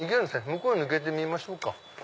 向こうへ抜けてみましょうか。